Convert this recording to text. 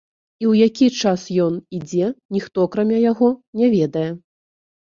І ў які час ён і дзе, ніхто акрамя яго не ведае.